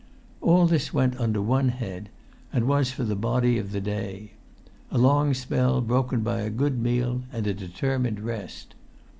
All this went under one head, and was for the body of the day; a long spell broken by a good meal and a determined rest.